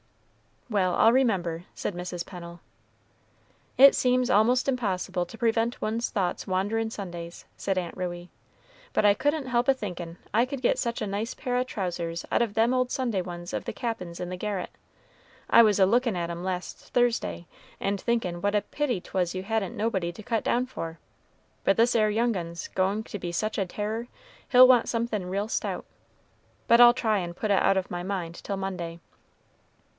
"Well, I'll remember," said Mrs. Pennel. "It seems a'most impossible to prevent one's thoughts wanderin' Sundays," said Aunt Ruey; "but I couldn't help a thinkin' I could get such a nice pair o' trousers out of them old Sunday ones of the Cap'n's in the garret. I was a lookin' at 'em last Thursday, and thinkin' what a pity 'twas you hadn't nobody to cut down for; but this 'ere young un's going to be such a tearer, he'll want somethin' real stout; but I'll try and put it out of my mind till Monday.